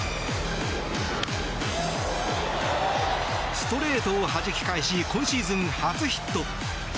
ストレートをはじき返し今シーズン初ヒット。